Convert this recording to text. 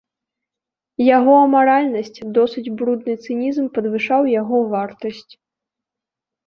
Яго амаральнасць, досыць брудны цынізм падвышаў яго вартасць.